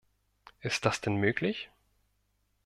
Ist das denn möglich?